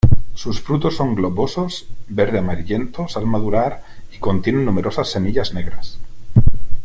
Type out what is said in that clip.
Sus frutos son globosos, verde amarillentos al madurar y contienen numerosas semillas negras.